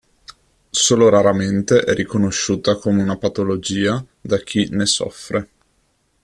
Solo raramente è riconosciuta come una patologia da chi ne soffre.